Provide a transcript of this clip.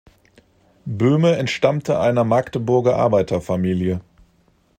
Böhme entstammte einer Magdeburger Arbeiterfamilie.